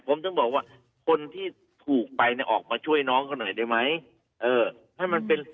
ผมถึงบอกว่าคนที่ถูกไปเนี่ยออกมาช่วยน้องเขาหน่อยได้ไหมเออให้มันเป็น